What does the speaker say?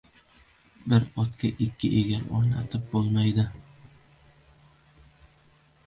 • Bir otga ikki egar o‘rnatib bo‘lmaydi.